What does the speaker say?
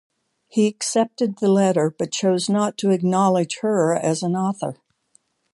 He accepted the letter, but chose not to acknowledge her as an author.